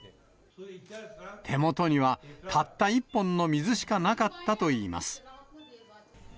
手元にはたった１本の水しかなかったといいます。